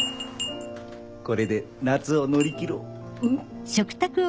これで夏を乗り切ろうフフ。